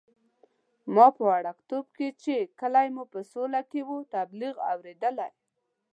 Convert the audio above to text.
ما په وړکتوب کې چې کلی مو په سوله کې وو، تبلیغ اورېدلی.